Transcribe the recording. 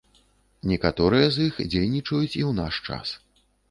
Некаторыя з іх дзейнічаюць і ў наш час.